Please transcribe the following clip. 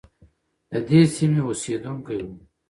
ددې سیمې اوسیدونکی وو.